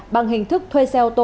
bằng hình thức thuê xe ô tô